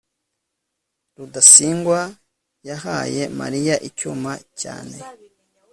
rudasingwa yahaye mariya icyuma cyane